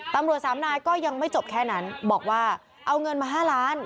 ตำรวจสามนายก็ยังไม่จบแค่นั้นบอกว่าเอาเงินมา๕ล้าน